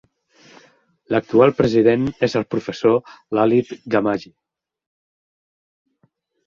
L'actual president és el professor Lalith Gamage.